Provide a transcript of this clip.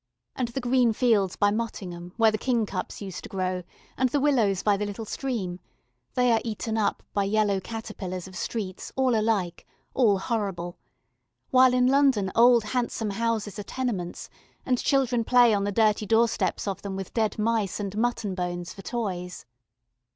And the green fields by Mottingham where the kingcups used to grow, and the willows by the little stream, they are eaten up by yellow caterpillars of streets all alike, all horrible; while in London old handsome houses are tenements, and children play on the dirty doorsteps of them with dead mice and mutton bones for toys.